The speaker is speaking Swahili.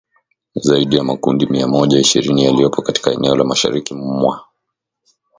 zaidi ya makundi mia moja ishirini yaliyopo katika eneo la mashariki mwa